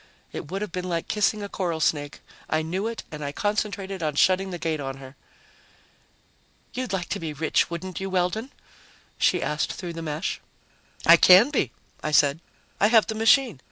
It would have been like kissing a coral snake. I knew it and I concentrated on shutting the gate on her. "You'd like to be rich, wouldn't you, Weldon?" she asked through the mesh. "I can be," I said. "I have the machine.